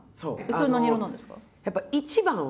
それ何色なんですか？